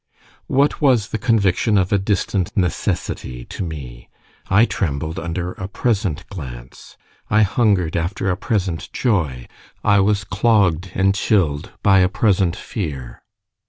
What was the conviction of a distant necessity to me? I trembled under a present glance, I hungered after a present joy, I was clogged and chilled by a present fear.